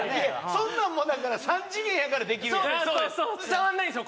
そんなんもだから３次元やからできるな伝わんないんですよ